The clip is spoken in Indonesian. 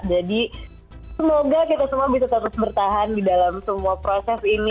jadi semoga kita semua bisa terus bertahan di dalam semua proses ini